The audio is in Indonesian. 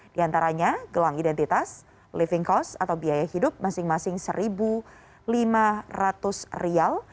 diantaranya gelang identitas living cost atau biaya hidup masing masing satu lima ratus rial